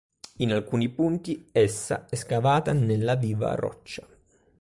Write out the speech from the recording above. In alcuni punti essa è scavata nella viva roccia.